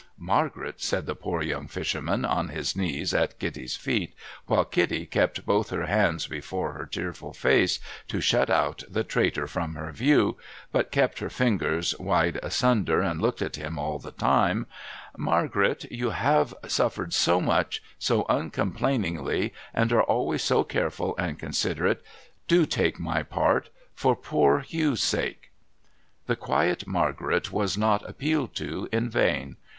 ' Margaret,' said the poor young fisherman, on his knees at Kitty's feet, while Kitty kept both her hands before her tearful face, to shut out the traitor from her view, — but kept her fingers wide asunder and looked at him all the time, —' Margaret, you have suffered so much, so uncomplainingly, and are always so careful and considerate ! Do take my part, for poor Hugh's sake !' The quiet Margaret was not appealed to in vain.